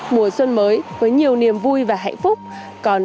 mùa xuân mới với nhiều niềm vui và hạnh phúc